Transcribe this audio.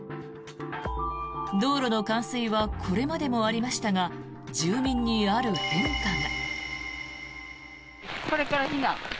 道路の冠水はこれまでもありましたが住民に、ある変化が。